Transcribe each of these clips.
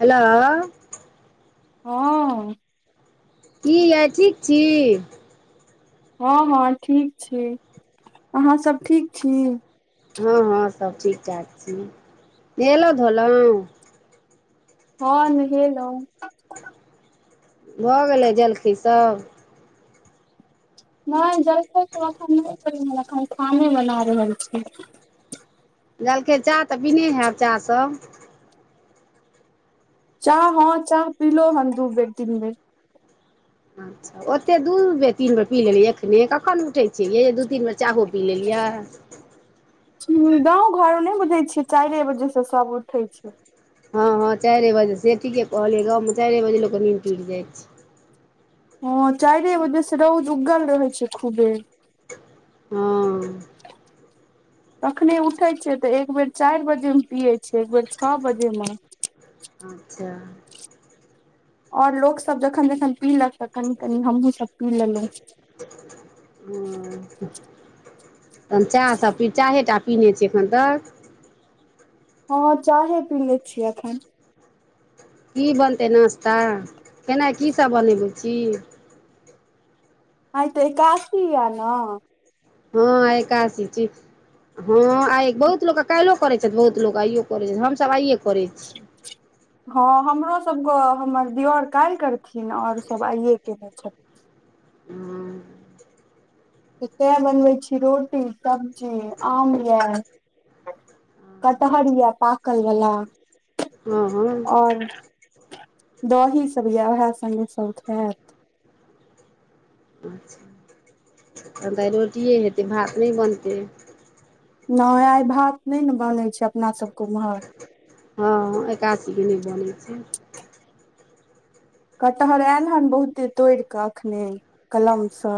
Hello. हँ। कि यै ठीक छी। हँ, हँ, ठीक छी अहाँ सभ ठीक छी? हँ, हँ, सभ ठीक ठाक छिय नेलहुँ धोलहुँ। हँ, नहेलओ। भऽ गेलै जलखहे सभ। नहि जलखाइ अखन भेलै छै, त एखन नहि पि एखन ख़ाने बना रहल छी। दलकै चाह तऽ बीने हयब चाह सभ। चाह हँ चाह पीलो हन दूबे दिनमे। अच्छा, ओते दू बेर तीन बेर पी लेलै एखने कखन उठै छियै दू तीन बेर। चाहो पी लेलियै। ह गाव घर नहि बुझै छियै चारे बजे से सभ उठै छै। हँ, हँ, चारि बजे से ठीके कहलियै गाममे चारि बजे लोकके नीद टुटि जाइत छै। हँ, चाह रहे बजे रौद उगल रहे छै खूबे। हँ। कखने उठै छियै तऽ एकबर चारि बजेमे पियै छियै एक बेर छओ बजेमे। अच्छा। आओर लोक सभ जखन जखन पीलक तऽ कनी कनि हमहुँ सभ पी लेलहुँ। ओ तहन चाह सभ चाहेटा पिन्हने छै एखन तक। हँ, चाहे पी ले छियै एखन। कि बनतै नाश्ता केना की सभ बनबै छी। आइते एकाशी यै न। हँ, एकशी छै हँ आ बहुत लोक कालो। करै छथि, बहुत लोक आइयो करे छथि हमसभ आइये करै छै। हँ, हमरो सभके हमर दिअर काल्हि करथिन आओर सभ आइए केयने छथिन। हँ। तऽ तै बनबै छै रोटी सब्जी आम आ। कटहर या पाकल वाला हँ हँ आओर। दही सभ इ उह सब खत। अच्छा, तन तऽ रोटिए हेतै भात नै बनतै। नहि आइ भात नहि ने बनै छै, अपना सभके उम्हर। हँ, एकशी नहि बनै छै। कटहर आयल हन बहुत देर तोड़ि कऽ अखने कलमसँ।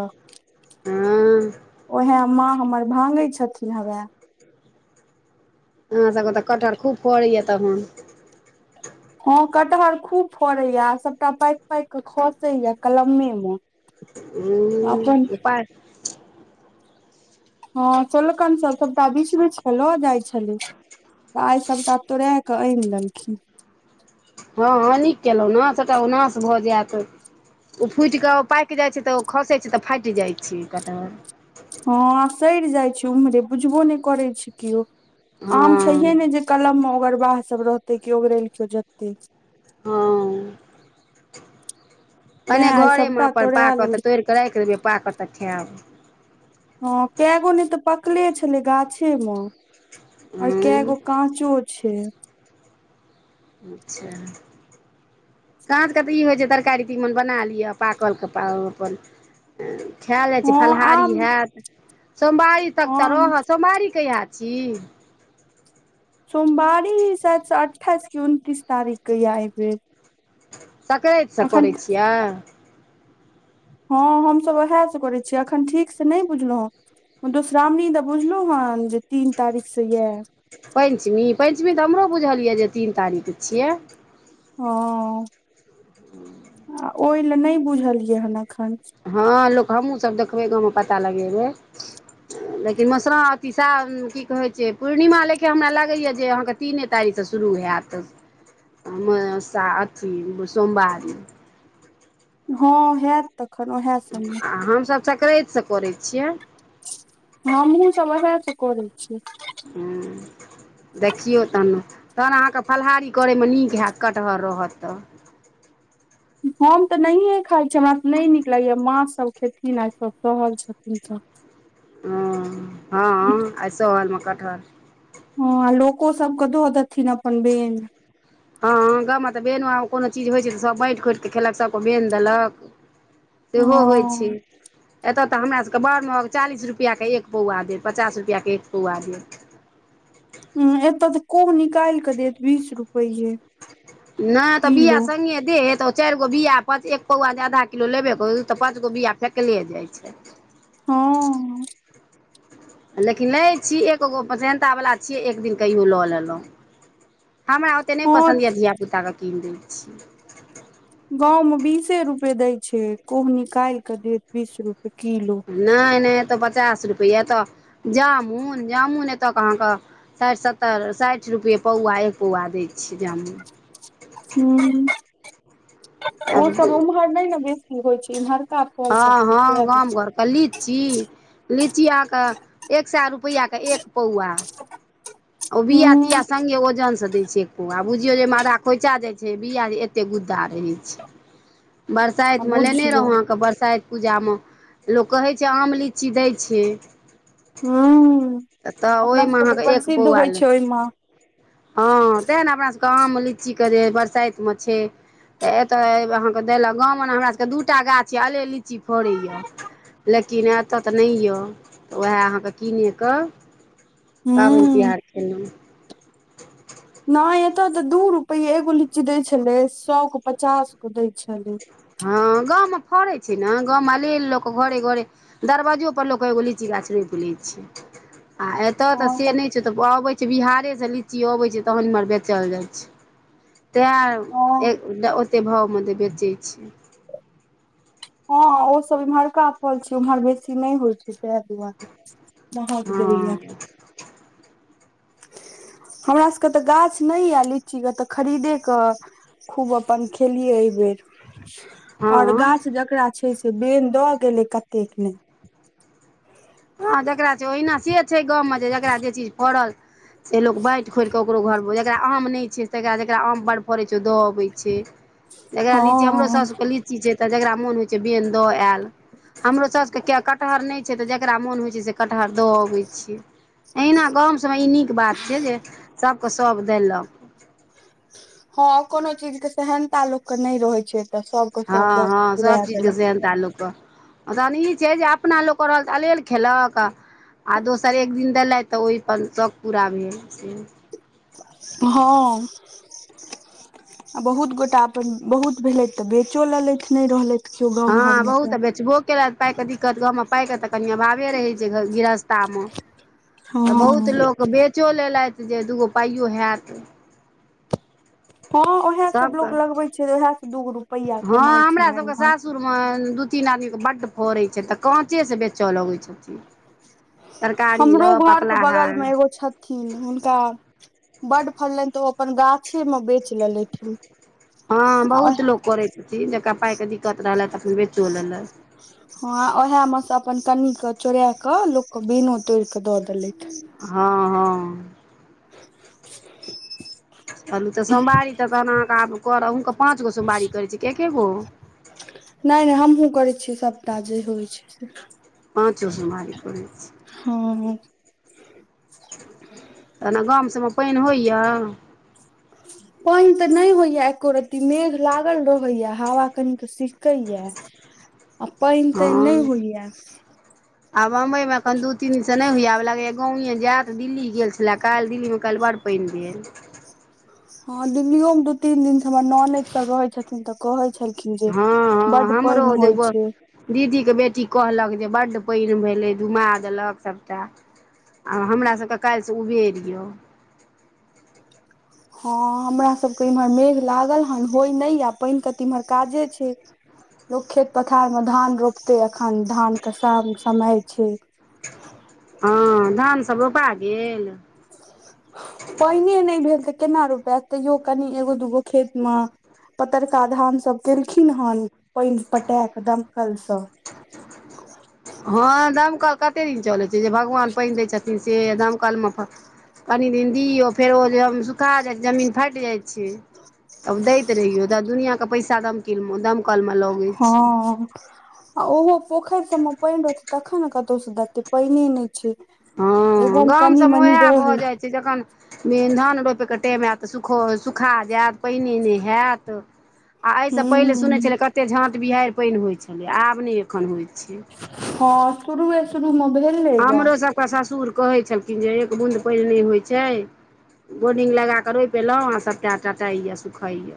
हँ। उएहे माँ हमर भागै छथिन, हवए। अहाँ सभके तऽ कटहर खूब फड़ैएा तखन। हँ, कटहर खूब फड़ैया आ सभटा पाकि पाकि कऽ खसे या कलमे। ह, पा। हँ, सोलकान सभ तऽ बीच बच लो जाइ छल। तऽ आइ सभटा तोड़य कऽ आनि लेलखिन। हँ, हँ, निक केलहुँ ने सभटा ओ नश भऽ जायत। ओ फूटि कऽ पाकि जाइ छै, तऽ ओ खसै छै, तऽ फाटि जाइ छै कटहर। हँ, सड़ जाइ छै, उम्हरे बुझबो नहि करै छै, केओ आम हँ छै ने जे। कलमे ओगरबाह सभ रहते क ओगरेल केओ जते। हँ। तें कने आइ घरेमे सभटा अपन तोड़ाए पाकऽ तऽ लेलथि तोड़ि कऽ राखि देबै पाकऽ तऽ खायब। हँ, कएगो नहि तऽ पकले छलै गाछे मे आर हूँ कगो। काँचो छै। अच्छा। साझके तऽ ई होइ छै, तरकारी तीमन बना लिअ पाकलके अपन। खायल जाइत छै, हँ फलाहारी आब होयैत सोमवारी तक तऽ हँ रहत सोमवारी कहिय। छी? सोमवारी शायद अठाइस कि उनतीस तारीखके आइ बेर। सक्रातिसँ अखन करैत छियै। हँ, हमसभ उएह से करै छियै, अखन ठीक से नहि बुझलहुँ हैं। मधुश्रमणि दऽ बुझलहु हन जे तीन तारीखसे यै। पञ्चमी पञ्चमी तऽ हमरो बुझल यए जे तीन तारीख छियै। ओ। ह। आ ओहि लए नहि बुझलियै हन एखन। हँ, लोक हमहूँसभ देखबै गावमे पता लगेबै। लेकिन मौसुरावव तीसा की कहैत छै, पूर्णिमा लेऽ हमरा लागैयए जे अहाँकेँ। तीने तारीखसँ शुरू हैत अथि सोमवारी। हा, हैत। तखन आहा। आ, हम सभ सक्रातिसँ करैत छियै। हमहु सभ उहे से करे छै। ह, देखियौ तन। तहन अहाँकेँ फलाहारी करैमे निक हैत कटहर रहत तऽ। हम तऽ नहिए खाइत छै हमरा तऽ नहि निक लगैएा माँसभ खेथिन आ सभ सहल छथिन तऽ। हँ, हँ, आइ सहलमे कटहल। हँ, लोको सभके दऽ देथिन अपन बेन। हँ गावमे तऽ बन कोनो चीज होइ छै, तऽ सभ बाँटि खोइत कऽ खेलकके बनि देलक। सेहो होइ छै। हँ एतऽ तऽ हमरा सभके बड़ महग चालीस रुपैआके एक पौआ देब पचास रुपैआके एक पौआ देब। ह, एतऽ तऽ कम निकालि कऽ देत बीस रुपैए। नहि तऽ बिआ किलो सँघे देत। चारिगो बआ पाँच एक पौआ जे आधा किलो लेबे कर तऽ पाँचगो बीआ फेकले जाइ छै। हँ। लेकिन नहि छै, एगो पसन्तावला छियै एक दिन कहिओ लऽ लेलहुँ। हमरा ओतेक नहि हँ पसन्द यए धियापुताकेँ कीन दैत छै। गावमे बीसे रुपे दै छै, कोह निकालि कऽ देत बीस रूपए किलो। नहि नहि एतऽ पचास रुपैआ तऽ जामुन जामुन एतय अहाँकेँ। साठि सत्तरि साठि रुपैए पौआ एक पौआ दै छियै जामुन। ह, आब ओ सभ उमहर नहि ने बेसी होइ छै, इमहरका। हँ, हँ, गाम घरके लीची। लीची आहा कऽ एक सए रुपैआके एक पौआ। ओ बआ हूँ तिया सङ्घे ओजनसँ दै छै। आ, बुझियौ जे माला खोइचा जाइत छै, बआ एते गुद्दा रहै छै। आ बरसाइतमे लेने बुझियौ रहौ अहाँकेँ बरसाइत। पूजामे लोक कहैत छै, आम लीची दैत छै। ह, तऽ अपना ओहिमे सभके तऽ अहाँके एक प्रसिद्ध पौआ होइ ले छै, ओहिमे। हँ, तेने अपना सभके आम लीचीके जे बरसाइतमे छै। तऽ एतय अहाँकेँ देलक गावमे ने हमरा सभकेँ दूटा गाछ यए अले लीची फोड़ैए। लेकिन एतऽ तऽ नहि यऽ तऽ उएह अहाँकेँ कीनकेऽ पाबनि हूँ तिहार कलहुँ। नहि एतय तऽ दू रुपए एगो लीची दै छलै, सए गो पचास गो दै छलै। हँ, गामे फड़ैत छै, ने गामे लेल लोक घरे घरे। दरवाजो पर लोक एगो लीची गाछ रोपि लैत छै, आ एतय तऽ से नहि। तऽ अबै छै, बिहारेसँ लीची अबै छै, तहन एम्हर बेचल जाइ छै। तैं ए हँ ओतेक भावमे तऽ बेचै छै। हँ, ओसभ इम्हर काफल छै, उम्हर बेसी नहि होइ छै ताहि दुआरे। महापदैए। हँ हमरा सभके तऽ गाछ नहि यए लीचीके तऽ खरीदे कऽ। खूब अपन खेलिय एहि बेर। और हँ गाछ जकरा छै, से बेन दऽ गेलै कतेक नहि। ह। हँ, जकरा छै, ओहिना से छै, गाममे जे जकरा जे चीज फड़ल। से लोक बाँटि खोकऽ ओकरो घरमे जकरा आम नहि छै, तरा जकरा आम बड़ फड़ै छै, ओ दब। हाइ छै, करा लीची हमरो हँ सभ के ली जकरा मोन होइ छैन द आयल हमरो सौसके कटहर नहि छै जकरा मोन होइ छै, से कटहर दऽ अबै छियै। अना गाम सभमे ई निक बात छै, जे सभके सभ देलक। हँ, कोनो चीज के सहनता लोक के नहि रहै छै, तऽ सभके सभ दऽ के पुरा देलक। का लोकके तहन ई छै, जे अपना लोकके रहल तऽ अलेल खेलक। आ दोसर एक दिन देलथि तऽ ओहिप शौक पूरा भेल। हँ। आ बहुत गोटा अपन बहुत भेलथि तऽ बेचो लेलथि नहि रहलथि। केओ गाँव हँ, घरमे बहुत तऽ बेचबो केलक पाइके दिक्कत गामे पईके तऽ कनि अभावे रहै छै, गृहस्था। हँ तऽ बहुत लोक बेचो लेलथि जे दूगो पाइयो होयत। हैं, उएह सभ सबके लोग लगबे छै उएह सभ दूगो रुपैआ कमाय छै ने इमहर। ससुर मे दू तीन आदमीके बड्ड फड़ैत छै, तऽ काँचे से बेचय लगैत छथिन। तरकारी हमरो लऽ घरके पकलाहा बगलमे एगो छ थिन हुनका बड्ड फरलनि तऽ ओ अपन गाछ। अछेमे बेच लेलैठ आहा। ई जेकरा पाइके दिक्कत रहलै तऽ खन बेचो लेलै। हँ, उएह मे सँ अपन कनके चोरा कऽ लोकके बैन तोड़ कऽ दऽ देलथि। हँ, हँ। [inaudible] चलू तऽ सोमवारी तऽ तहन अहाँकेँ आब कर अहूँकेँ पाँचगो सोमवारी करैत छै एकेगो। नहि नहि हमहूँ करै छियै, सभटा जे हो होइत छै। से पाँचो सोमारी पड़ै छै हँ तना गाम सभमे पैन होइए [inaudible] पइन ते नहि होइया एको रत्ती मेघ लागल रहेया हवा कनी त सिषके या [unintelligible] आ पैन तैन हँ नहि होइएआ आब बम्बई मे एखन दू तीन स नहि होयया आब लागैएा गावे जायत दिल्ली गेल छलै काल्हि दिल्लीमे काल्हि बड़ पैन भेलय हँ दिल्लीयो मे दू तीन दिन स हमर ननैद सब रहै छथि तऽ कहे छलखिन जे बड पैन होइ छै दीदीके बेटी कहलक जे बड्ड पैन भेलै धुमा देलक सभटा आ हमरासबके कैल स उबेर या हँ हमरा सबके इम्हर मेघ लागल हन होय नहि य पैन के तऽ इम्हर काजे छै लोक खेत पथार मे धान रोपते अखन धान के स- समय छै हँ धानसभ रोपा गेल पाईने नहि भेल तऽ केना रोपायत तैयो कनि एगो दूगो खेत मे पतरका धान सब केलखिन हेन पैन पटा क दमकलसँ हँ दमकल कते दिन चलै ते जे भगवान पैन दे छथिन से धमकलमे फ कनि दिन दियौ फेर ओ जे सुखा जाइ छै जमीन फैट जाइत छै छि आब दैत रहियो दुनिया के पैसा दाईत रहियो दमकल मे हँ आ ओहो पोखैर सब मे पैन रहे छै तखन ने कतहु से देते पईने नहि छै एगो मे कनी मनी रहै से जखन धान रोपयके टाइम आयत तऽ सुखो सुखा जायत पैने नहि हैत आ एहिसँ पहिले सुनैत हूं छलै कते झाँट बिहैर पैन होइत छलै आब नै एखन होइत छै हँ शुरए शुरू म भ हमरोसभके ससुर कहै छलखिन जे एक बूँदि पैन नहि होइत छै बोर्डिंग लगा कऽ रोपि एलो आ सभटा टाइए सुखाैए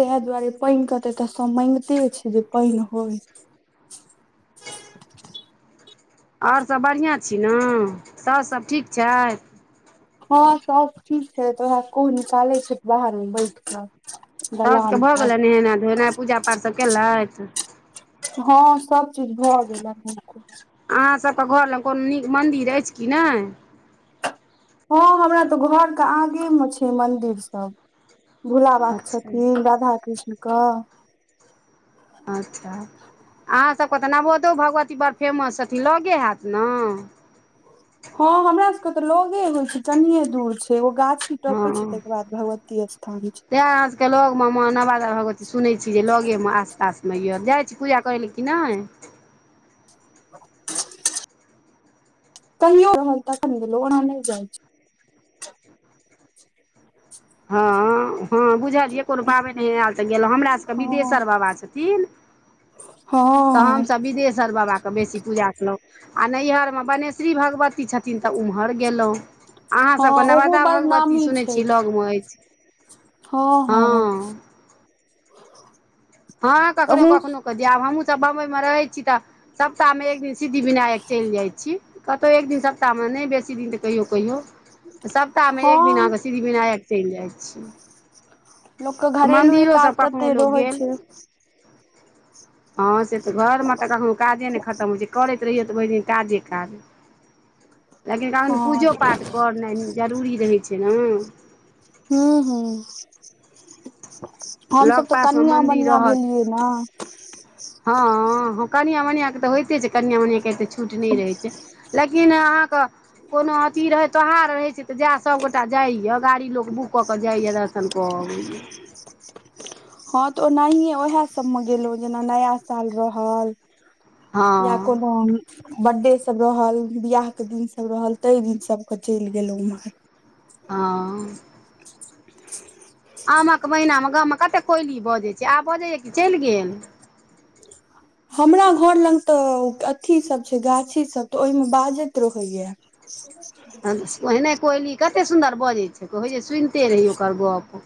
तेहा दुआरे पैन के तऽ तऽ सब मगिते छै जे पैन होय आओर सब बढ़िआँ छी ने सौस सब ठीक छैथ हँ सब ठीक छै त ओरा [unintelligible] निकालै छै बाहरमे बैठ कऽ सौस के दलान भऽ पर गेलय नहेनाइ धोएनाइ पूजा पाठ सभ केलक हँ सभ चीज भऽ गेलय ह अहाँसभके घरमे कोनो नीक मन्दिर अछि कि नै हँ हमरा तऽ घरके आगे मे छै मंदिर सब भोला बाबाक अच्छा छथिन राधा कृष्णकअ अच्छा अहाँसभके तऽ नवोदो भगवती बड़ फेमस छथिन लगे हैत ने हँ हमरा सब के तऽ लगे होय छै कनिये दूर छै ओ गाछ टपै छै तहिके बाद भगवती स्थान छै तें अहाँ सबके लग मे नवादा भगवती सुनैत छीयै जे लगे मे आसपास म य जाय छी पूजा करै लए कि नहि [unintelligible] कहियो त [unintelligible] ओना नहि जाइ छै हँ। हँ, बुझलियै कोनो पाबनि नहि आयल तऽ गेलहुँ हमरा सभके हँ बिदेश्वर बाबा छथिन। तऽ हँ हमसभ बिदेश्वर बाबाके बेसी पूजा कयेलहुँ आ नैहरमे मने। श्री भगवती छथिन तऽ ओम्हर गेलहुँ। अहाँ हँ सभके ओहो नवादा बड़ भगवती नामी सुनने छै छथि लगमे अछि हँ, हँ। हँ, कखनहु अहूँ कखनहु कऽ दिय आब हमहूँ सभ बम्बईमे रहै छै तऽ। सप्ताहमे एक दिन सिद्धि विनयक चलि जाइ छी। कतहु एक दिन सप्ताहमे नहि बेसी दिन तऽ कहियो कहियो सप्ताहमे एक दिन हँ अहाँ। सिद्धिवनायक चलि जाइत छै, लोकके घरेलुए मन्दिरो काज सभ कखनो तते लोक रहै गेल। छै हँ, से तऽ घरमे तऽ कखनो काजे नहि खतम होइ छै, करैत रहियौ तऽ भेर दिन काजे काज। लेकिन कहने हँ पूजो पाठ करनाइ जरूरी रहै छै ने। हँ, हँ। हमसभ लग तऽ पासमे कनिआ मन्दिर मनिया भेलियै ने। हँँ, कनआ मनिआँऽ तऽ होइते छै, कनिया मनिआ केऽ छूट नहि रहैत छै। लेकिन अहाँकेँ कोनो अथि रहै तोहार रहै छै। तऽ जएह सभगोटा जाइए गाड़ी लोक बुक कऽ जाइए दर्शन कऽ अबैया। हँ, तऽ ओनाहिए उएह सभमे गेलहुँ जेना नया साल रहल। या कोनो। हँ बर्थडे सभ रहल बियाहके दिन सभ रहल तै दिन सभके चलि गेलहुँ उम्ह्रर। आँ। [inaudible] आम कऽ महिनामे गामे कतेक कोइली बाजै छै, आब बजै छै, कि चलि गेल। हमरा घर लग तऽ आती सभ छै, गाछी सभ त ओहिमे बाजैत रहैया। ह। ओहने कोयली कतेक सुन्दर बजैत छै, कहै छै, सुनिते रही ओकर गप।